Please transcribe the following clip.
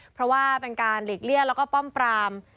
เพราะว่าเป็นการหลีกเลี่ยงแล้วก็ป้อมปราม